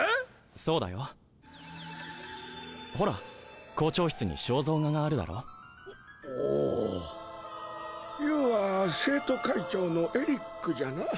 そうだよほら校長室に肖像画がおＹＯＵは生徒会長のエリックじゃな？